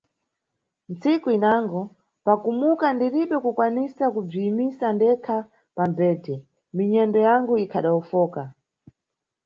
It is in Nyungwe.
Nntsiku inango, pa kumuka ndiribe kukwanisa kubziyimisa ndekha pa mbhedhe, minyendo yangu ikhadawofoka.